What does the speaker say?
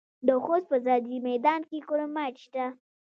د خوست په ځاځي میدان کې کرومایټ شته.